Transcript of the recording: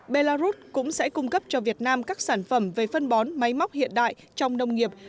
belarus cũng sẽ cung cấp cho việt nam các sản phẩm về phân bón máy móc hiện đại trong nông nghiệp